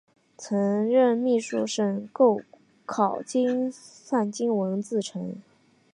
曾任秘书省钩考算经文字臣。